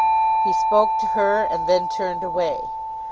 He spoke to her, and then turned away.